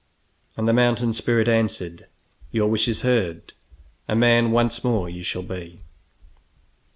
And the mountain spirit answered: "Your wish is heard. A man once more you shall be!"